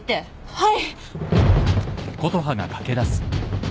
はい。